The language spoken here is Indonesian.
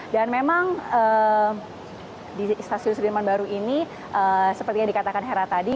dan memang di stasiun sudirman baru ini seperti yang dikatakan hera tadi